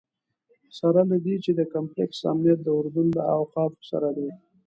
سره له دې چې د کمپلکس امنیت د اردن له اوقافو سره دی.